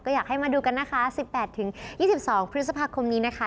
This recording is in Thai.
อยากให้มาดูกันนะคะ๑๘๒๒พฤษภาคมนี้นะคะ